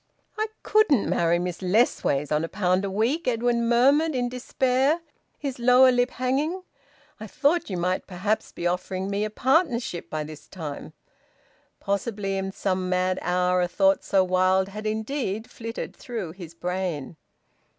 "I couldn't marry Miss Lessways on a pound a week," Edwin murmured, in despair, his lower lip hanging. "I thought you might perhaps be offering me a partnership by this time!" Possibly in some mad hour a thought so wild had indeed flitted through his brain.